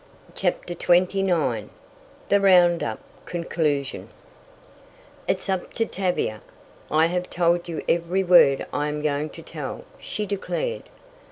CHAPTER XXIX THE ROUND UP CONCLUSION "It's up to Tavia!" "I have told you every word I am going to tell," she declared.